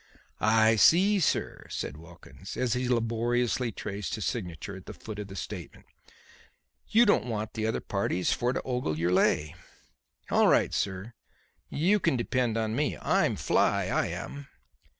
"I see, sir," said Wilkins, as he laboriously traced his signature at the foot of the statement; "you don't want the other parties for to ogle your lay. All right, sir; you can depend on me. I'm fly, I am."